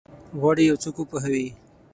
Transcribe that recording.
غواړي یو څوک وپوهوي؟